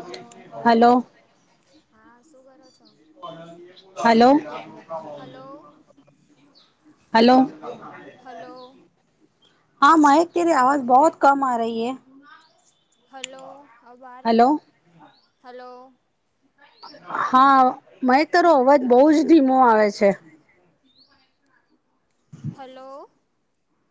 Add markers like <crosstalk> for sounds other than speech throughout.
Hello hello. હા શું કરો છો. હલો. Hello hello. હા મહેક તેરી આવાજ બહોત કમ આ રહી હૈ. હલો અબ આ રહી હલો હે હલો. હા મહેક તરો અવાજ બહુ જ ધીમો આવે છે. હલો.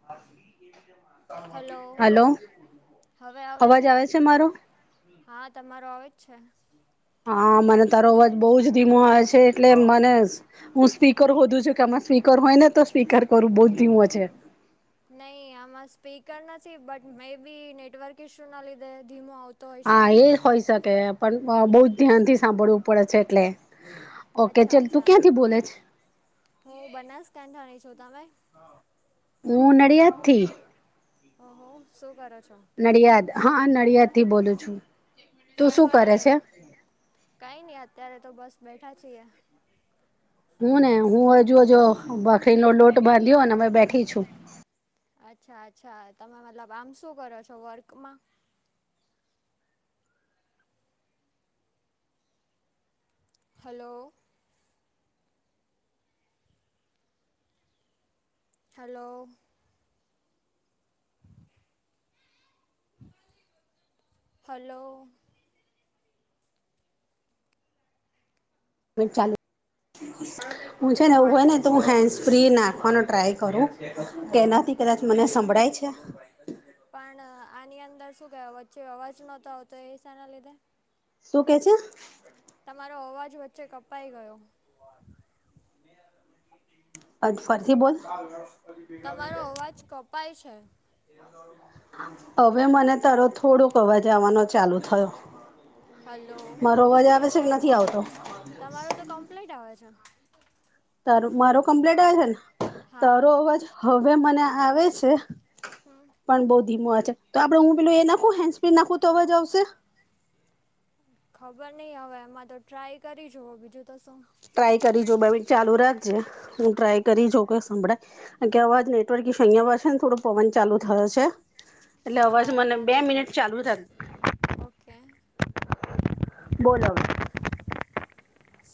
<inaudible> હલો હવે આવે છે. હા તમારો આવે જ છે. હા મને તારો અવાજ બહુ જ ધીમો આવે છે એટલે મને હું સ્પીકર હોધું છું કે આમાં સ્પીકર હોય ને તો સ્પીકર કરું બહુ ધીમો છે. નહી આમાં સ્પીકર નથી but maybe network issue ના લીધે ધીમો આવતો હોઈ હા શકે એ હોય શકે પણ આ બહું ધ્યાન થી સાંભળવું પડે છે એટલે. ઓકે અચ્છા ચલ તું અચ્છા ક્યાંથી બોલે છે હું બનાસકાંઠની છું તમે. હું નડિયાદથી. હ હો શું કરો છો. નડિયાદ હા નડિયાદ થી બોલું છું. તું શું કરો કરે છો છે કઈ નઈ અત્યારે તો બસ બેઠા છીએ. હું ને હું હજુ હજુ ભાખરીનો લોટ બાંધ્યો ને અમે બેઠી છું. અચ્છા અચ્છા તમે મતલબ આમ શું કરો છો વર્કમાં. હલો. હલો. <inaudible> હલો. હું ચાલો હું છે ને એવું હોય ને તો હું હેન્ડસ ફ્રી નાખવાનો ટ્રાય કરું. હમ કેનાથી કદાચ મને સંભળાય છે. પણ આની અંદર શું કેહેવાય વચ્ચે અવાજ નહતો આવતો એ સાના લીધે. શું કે છે. તમારો અવાજ વચ્ચે કપાઈ ગયો. આજ ફરથી બોલ. તમારો અવાજ કપાય છે. <inaudible> હવે મને તારો થોડુંક અવાજ આવવાનો ચાલુ થયો. હલો મારો અવાજ આવે છે કે નથી આવતો. તમારું તો કમ્પ્લીટ આવે છે. તારો મારો કમ્પ્લેટ આવે છે ને હા તારો અવાજ હવે મને આવે છે. હમ પણ બઉ ધીમો આ છે તો આપડે હું પેલું એ નાખું હેન્ડ સ્પન નાખું તો અવાજ આવશે. ખબર નહીં હવે એમાં તો ટ્રાય કરી જુઓ બીજું તો શું. ટ્રાય કરી જો બે મિનિટ ચાલુ રાખજે હું ટ્રાય ઓકે કરી જો કઈ સંભળાય. હાં કે અવાજ નેટવર્કિંગ <unintelligible> અહીંયા વા છે ને થોડો પવન ચાલુ થશે. એટલે હા અવાજ મને એના બે લીધે જ મિનિટ ચાલુ રાખ. ઓકે બોલ હવે.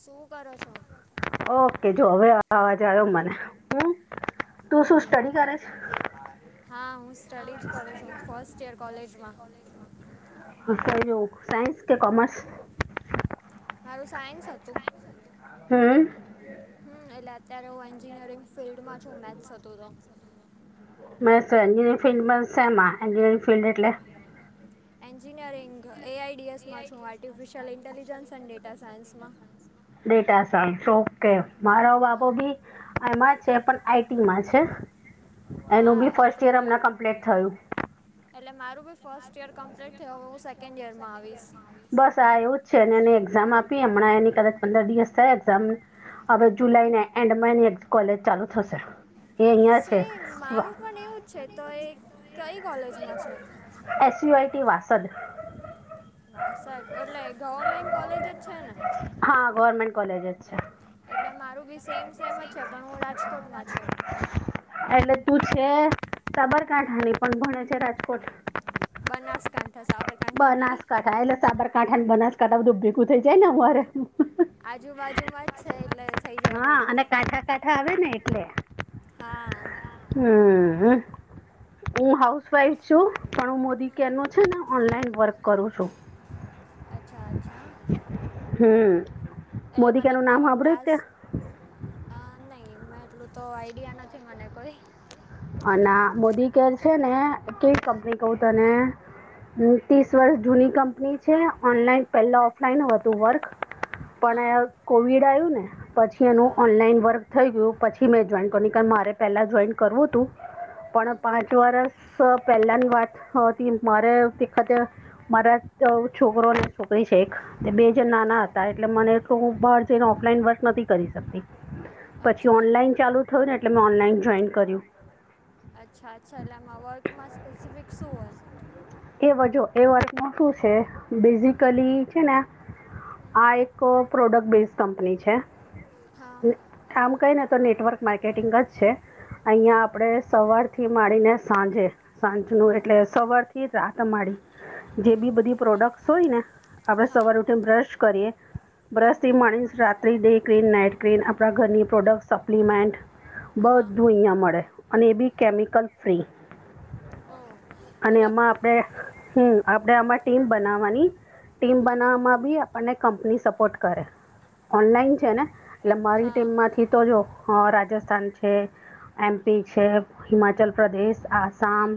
શું કરો છો. ઓકે જો હવે અવાજ આવ્યો મને હું તું શું ઓકે સ્ટડી ઓકે કરે હા હું સ્ટડી જ કરું છું ફર્સ્ટ યર કોલેજમાં. હ ક જો સાયન્સ કે કોમર્સ. મારું સાયન્સ હતું. હમ. હમ એટલે અત્યારે હું એન્જિનિયરિંગ ફિલ્ડમાં છું. મેથ્સ હતું તો. મે તો એજિનિયરિંગ ફિલ્ડ છે. સેમાં એન્જિનયરિંગ ફિલ્ડ એટલે એન્જિનિયરિંગ એઆઈડીએસમાં છું. આર્ટિફિશિયલ ઇન્ટેલિજન્સ એન્ડ ડેટા સાયન્સમાં. Data science okay. મારો હા બાબુ બી એમાં છે પણ આઈટીમાં છે. એનું હા બી ફર્સ્ટ યર અત્યારે અમના કમ્પ્લેટ થયું. એટલે મારું બી ફર્સ્ટ ઈયર કમ્પ્લીટ થયું. અવે હું સેકન્ડ ઈયર માં આવીશ. બસ આ એવું જ છે. અને એને એક્ઝામ આપી હમણાં એની કદાચ પંદર દિવસ થાય એક્ઝામ હવે હમ જુલાઈના એન્ડમાં એની કોલેજ ચાલુ થશે. એ અહિયાં છે. સેમ સેમ મારું પણ એવું છે. તો એ કઈ કોલે એસયુઆઈટી વાસદ વાસઠ એટલે ગવર્મેન્ટ કોલેજો જ છે ને? હા ગવર્મેન્ટ કોલેજ જ છે. એટલે મારું બી સેમ સેમ જ છે. પણ હું રાજકોટમાં છું. એટલે તું છે સાબરકાંઠાની પણ ભણે છે રાજકોટ. બનાસકાંઠા સાવર બનાસકાંઠા એટલે સાબરકાંઠાને બનાસકાંઠા બધું ભેગું થઈ જાય ને અમારે આજુબાજુ માં જ છે. એટલે થઇ જાય હા ભેગું. અને કાંઠા કાંઠા આવે ને એટલે હા. હમ હમ હું હાઉસવાઈફ છું. પણ હું મોદી હા. કેનો છે ને ઓનલાઈન વર્ક કરું છું. અચ્છા અચ્છા. હમ્મ. એટલે મતલબ આવા ટાસ્ક હ નઈ મે એટલું તો આઈડિયા નથી મને કોઈ અને મોદી કેર છે ને કેવી કંપની કવ તને ત્રીસ વર્ષ જૂની કંપની છે. ઓનલાઈન પહેલા ઓફલાઈન હતું વર્ક. હા પણ કોવિડ આવ્યું ને પછી હા એનું ઓનલાઈન વર્ક થઈ ગયું પછી મેં જોઈન કરું ન કારણ મારે પહેલાં જોઈન કરવું હતું પણ પાંચ વરસ પહેલાની વાત હતી. મારેખતે મારા છોકરો અને છોકરી છે. તે બે જ નાના હતા એટલે મને તો બહાર જઈને ઓફલાઈન વર્ક નથી કરી શકતી. અચ્છા પછી અચ્છા ઓનલાઈન ચાલુ થયું ને એટલે મેં ઓનલાઈન જોઈન કર્યું. અચ્છા અચ્છા. એટલે એમાં વર્કમાં સ્પેસિફિક શું હોય? એ વજો એ વર્કમાં શું છે. બેઝિકલી છે ને. આ એક પ્રોડક્ટ બેઝ કંપની છે. હા આમ કઈને તો નેટવર્ક માર્કેટિંગ જ છે અહીયાં આપણે સવારથી માળીને સાંજે સાંજ નું એટલે સવારથી એ રાત અમાડી જે બી બધી પ્રોડક્ટ્સ હોય ને આપડે હા સવારે ઉઠી બ્રશ કરીએ. હા બ્રશ થી માણીશ રા આપલી ડે ક્રીન, નાઈટ ક્રીન આપણા ઘરની પ્રોડક્ટ સપ્લિમેન્ટ હા બધું અહીંયા મળે. અને એ બી કેમિકલ ફ્રી ઓ અને મતલબ એમાં આપ હમ આપડે આમાં ટીમ બનાવવાની ટીમ બનાવવામાં બી અને કંપની સપોર્ટ કરે ઓનલાઈન છે ને એટલે મારી હા ટીમમાંથી તો જો હ રાજસ્થાન છે. એમપી છે. હિમાચલ પ્રદેશ, આસામ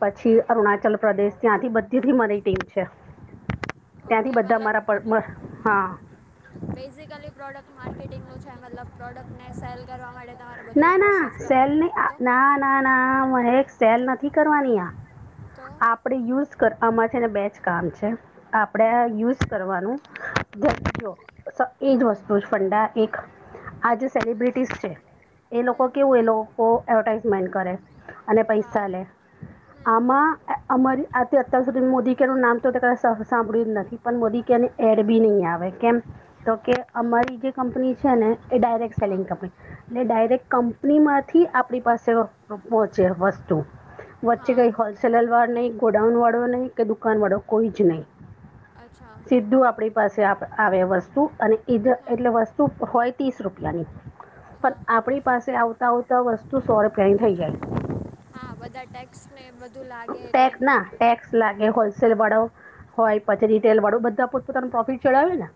પછી અરુણાચલ પ્રદેશ ત્યાંથી બધીથી મારી ટીમ છે. ઓકે ત્યાંથી બધા મતલબ મારા પર હા બેઝિકલી પ્રોડક્ટ માર્કેટિંગનું છે મતલબ પ્રોડક્ટને સેલ કરવા માટે તમારે ના બધું ના પ્રોસેસ સેલ ને, કરવાની તો ના, ના, ના મહેક સેલ નથી કરવાની આ. તો આપણેે યુઝ કર આમા છેને બે જ કામ છે. આપણે આ હમ યુઝ કરવાનું, જ હમ જો એજ વસ્તુ ફંડા એક આ જે સેલિબ્રિટીસ છે એલોકો હમ કેવું એ લોકો એવટાઈઝમેન્ટ કરે અને હા પૈસા લે. હમ આમાં આ અ અમારી આથે અત્યાર સુધીન મોદી કેરનું નામ તો કડાચ સા સાંભળ્યું જ નથી પણ મોદી કેર એડ બી નઈ આવે કેમ? તો કે હા અમારી જે કંપની છે ને એ ડાયરેક્ટ હા સેલિંગ કંપની ને ડાયરેક્ટ ઓકે કંપનીમાં માંથી આપણી પાસે પોહચે વસ્તુ, વચ્ચે હા કઈ હોલ સેલરવાળો નઈ, ગોડાઉનવાળો નહીં કે દુકાનવાળો કોઈ જ નઈ. અચ્છા. સીધું આપણી પાસે આપ આવે વસ્તુ અને ઈધ હા એટલે વસ્તુ હોય ત્રીસ રૂપિયાની. હા પણ આપણી પાસે આવતા આવતા વસ્તુ સો રૂપિયાની થઈ જાય. હા એ બધા ટેક્સ ને બધુ લાગે એટલે. ટેક ના ટેક્સ લાગે, હોલસેલ વાળો હોય પછી રીટેલ વાળું બધા પોત પોતાનું પ્રોફિટ ચડાવેે ને?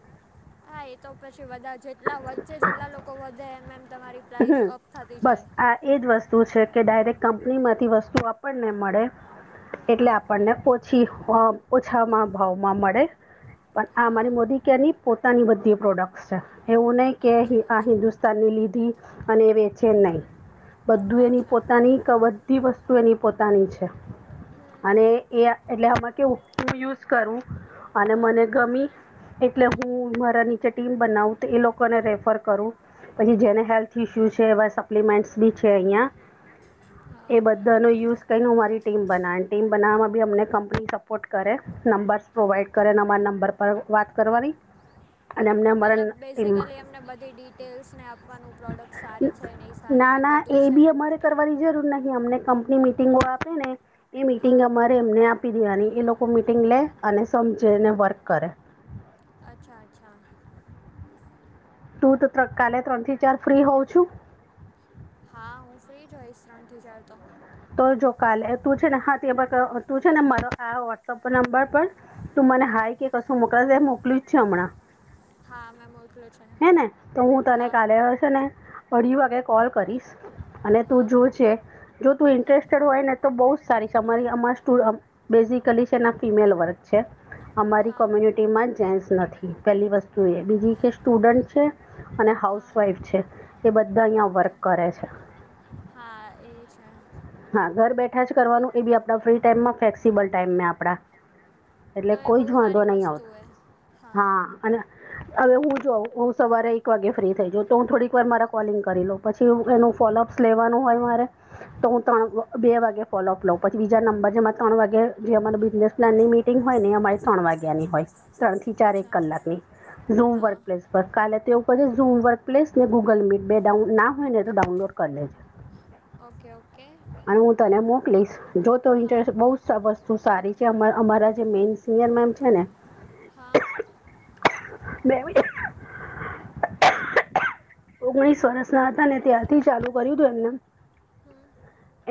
હા એ તો પછી વધા જેટલા વચ્ચે જેટલા વધે એમ એમ તમારી પ્રાઇસ હમ્મ, અપ થતી બસ જાય આ એજ વસ્ તું છે કે ડાયરેક્ટ કંપનીમાંથી વસ્તુ આપણને મળે, હમ એટલે આ પણને ઓછીહો ઓછામાં ભાવમાં મળે. પણ આ મારી મોદી હા કેર ની પોતાની બધી પ્રોડક્ટસ છે. એવું નહી કે હિ અચ્છા આ અચ્છા હિન્દુસ્તાનની લીધી અને એ વેચે નઈ. બધું એની અચ્છા પોતાની કવ બ ધી વસ્તુ એની પોતાની છે. હમ અને એ એટલે આમાં કે સુ યુઝ કરુ અને હા મને ગમી, એટલે હમ હું મારા ની ચે ટીમ બનાઉ તો એ લોકોને રેફર કરું. પહિ જેને હેલ્ થ ઇસુ છે એવા સપ્લિમેન્ટ્સ બી છે અહીયાં હા એ બ ધનો યુઝ કરીને હું મારી ટીમ બનાવી, ને ટીમ બનાવવામાં બી અમને કંપની સપોર્ટ કરે નંબર્સ પ્રોવાઈડ કરે ને અમારા નંબર પર વાત કરવાની અને અમને અમારા ટીમ ને બધી ડિટેલ્સ ને આપવાનું પ્રોડક્ટ સારી છે, નહી સારી ને બધું સેના માટે જો અમને કંપની મિટિંગો આપે ને એ મિટિંગ હા અમારે અમને આપી દેવાની, એ લોકો મિટિંગ લે અને સમજે હમ ને વર્ક કરે. અચ્છા અચ્છા. તું તો ત કાલે ત્રણ થી ચાર ફ્રી હોઉં છું? હા હું ફ્રી જ હોઈશ ત્રણ થી ચાર તો. તો જો કાલે તું છે ને હા તેં બ ક તું છે ને મારો આ વોટ્સઅપ નંબર પર તું મને હા હાય કે કશું મોકલ્યો મોકલુ જ છે હમણાં? હા મેં મોકલું. છે હે ને? તો હું તને હા કાલે છેને અઢી વાગે કોલ કરીશ. અને હા તું જો છે, જો તું હા ઇન્ટ્રસટેડ હોય ને તો બહુ જ સારી છે અમારી અમા સ્ટુ અબ બેઝિકલી છે ફિમેલ વર્ક છે. અમારી હા કોમ્યુનિટીમાં જેટ્સ નથી પેલી વસ્તુ એ, બીજી કે સ્ટુડન્ટ છે અને હા હાઉસવાઈફ છે, એ બધા અહિયાં ઓકે વર્ક કરે છે. હા, એ છે. હા ઘર બેઠા જ કરવાનું, એ બી આપણા ફ્રી ટાઈમમાં ફેક્સિબલ ટાઈમેં આપણા. એટલે તો એ કોઈ બહુ જ વાંધો સારી નહી વસ્તુ આવતો એ હા અને હવે હું. જો હું સવારે એક વાગે ફ્રી થઈ જઉં, તો હું થોડીક વાર મારા કોલિંગ કરી લઉ પછી એનું ફોલોઅપ સ લેવાનું હોય મારે. તો હું ત્રણ હમ બ બે વાગે ફોલોઅપ લઉં પછી બીજા નંબર જેમાં તણ વાગે જે અમારા બિજનેસ નાની મીટિંગ હોય નેં અમારે ત્રણ વાગ્યાની હોય. ત્રણથી ચાર એક અચ્છા કલાકની, ઝૂમ હા પર કાલે તેવું હું વર્ક પ્લેસ ને ગુગલ મીટ બે ડાઉન ના હોય ને તો ડાઉનલોડ કરી લેજે. <unintelligible> Okay okay. અને હું તને મોકલીશ જો તો હા ઇન્ટરેસ્ટ બહુ. વસ્તુ સારી છે અમારા જે મેન સિનિયર મેમ છે ને. હા. <unintelligible> <unintelligible> ઓગણીસ વર્ષ ના હતા ને ત્યાંરથી ચાલુ કર્યું તું એમને. હમ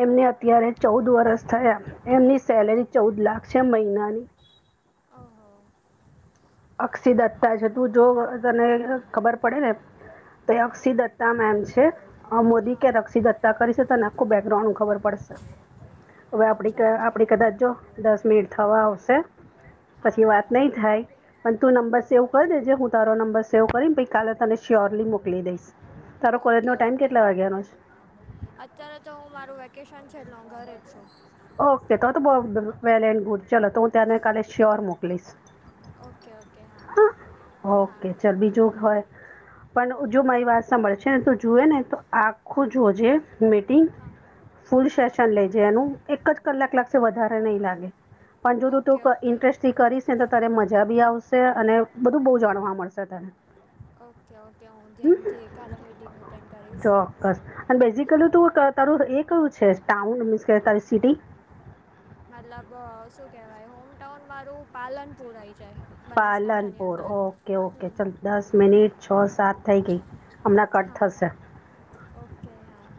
એમને અત્યારે ચૌદ વર્ષ થયા. એમની સેલરી ચૌદ લાખ છે મહિનાની. ઓહો. અક્ષી દત્તા છે તું જો તને ખબર પડે ને. તે હા અક્ષી દત્તા મેમ છે. મોદી હા ક રક્ષી દત્તા કરી છે તને આખું બેકગ્રાઉન્ડ ખબર પડશે. હવે અચ્છા આપડી અચ્છા આપડી કદાચ જો દસ મિનિટ થવા આવશે પછી હા વાત નહી થાય. પણ તું નંબર ઓ સેવ કરી દેજે હું તારો નંબર સેવ કરીને પહી કાલે તને શ્યોરલી મોકલી દઈશ. તારો ઓકે કોલેજનો ટાઈમ ઓકે કેટલા વાગ્યાનો છે અત્યારે તો હું મારું વેકેશન છે એટલે હું ઘરે જ છું. ઓકે તો તો બહ વેલ એન્ડ ગુડ ચલો તો હું તને કાલે શ્યોર મોકલીશ. ઓકે ઓકે હા હા ઓકે ચલ બીજું હોય. પણ જો મારી વાત સાંભળ છેને તુ જુએ ને તો આખું જોજે. મીટિંગ હા ફુલ હા સેશન લેજે એનુ. એક જ કલાક લાગશે વધારે નહીં લાગે પણ જો ઓકે તું ત ઓકે ઇન્ટરેસ્ટ. થી કરીશ ને તો તને મજા બી આવશે અને બધું બહુ જાણવા મળશે તને. ઓકે ઓકે હું ધ્યાનથી કાલે મીટિંગ એટેન્ડ કરીશ ચોક્કસ અને હા. બેઝિકલી તું ક- તારું એ કયું છે ટાઉન મીન્સ કે તારી સિટી. મતલબ શું કહેવાય હોમટાઉન મારું પાલનપુર આઈ જાય. બનાસકાંઠાની પાલનપુર અંદર ઓકે ઓકે હમ ચલ દસ મિનિટ છ સાત થઈ ગઈ. હમણાં કટ હા થશે ઓકે હા.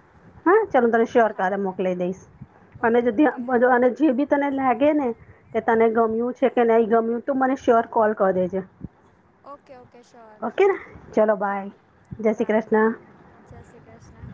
હા ચલ હું તને શ્યોર હા કાલે મોકલી દઈશ. અને ઓકે ઓકે હા અને જે બી તને લાગે ને કે તને હા ગમ્યું છે. છે કે નહીં ગમ્યું તો મને શ્યોર કોલ કર દેજે. ઓકે ઓકે શ્યોર ઓકે ના ચલો હા બાય જય શ્રી બાય કૃષ્ણ. જય શ્રી કૃષ્ણ.